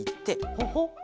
ほほっ。